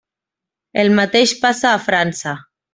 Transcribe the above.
El mateix passa a França.